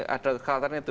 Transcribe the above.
ada kekalahan itu